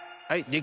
はい！